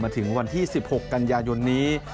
ถึงวันที่๑๖กันยายนนี้